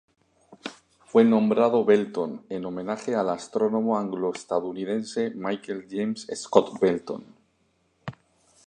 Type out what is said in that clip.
Fue nombrado Belton en homenaje al astrónomo anglo-estadounidense Michael James Scott Belton.